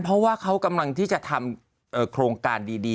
เพราะว่าเขากำลังที่จะทำโครงการดี